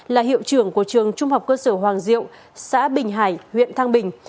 là hiệu trưởng của trường trung học cơ sở hoàng diệu xã bình hải huyện thang bình